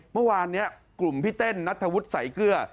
เมื่อวานนี้กลุ่มพี่เต้นนัทธวุฒิสายเกลือ